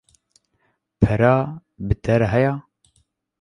Pere bi te re heye?